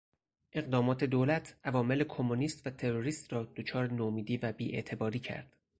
اقدامات دولتعوامل کمونیست و تروریست را دچار نومیدی و بیاعتباری کرد.